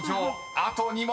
あと２問］